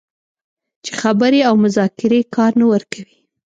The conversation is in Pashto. چې خبرې او مذاکرې کار نه ورکوي